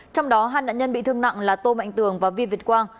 trong đó hai nạn nhân bị thương nặng là tô mạnh tường và vi việt quang